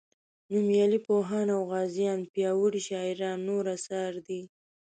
نومیالي پوهان او غازیان پیاوړي شاعران نور اثار دي.